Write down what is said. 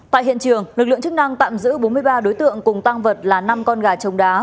tại hiện trường lực lượng chức năng tạm giữ bốn mươi ba đối tượng cùng tăng vật là năm con gà trống đá